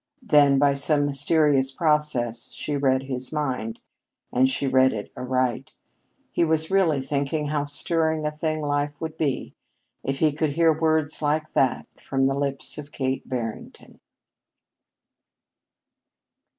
Then by some mysterious process she read his mind, and she read it aright. He was really thinking how stirring a thing life would seem if he could hear words like that from the lips of Kate Barrington.